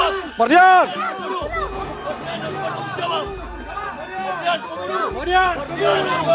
mardian kamu jalan